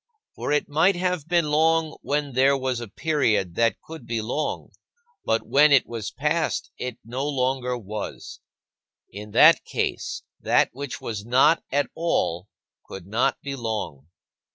For it might have been long when there was a period that could be long, but when it was past, it no longer was. In that case, that which was not at all could not be long.